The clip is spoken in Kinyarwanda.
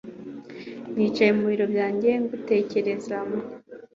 Nicaye mu biro byanjye ngutekereza